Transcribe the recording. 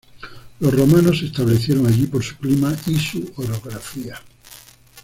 Los romanos se establecieron allí por su clima y su orografía.